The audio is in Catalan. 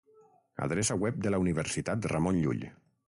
Adreça web de la Universitat Ramon Llull.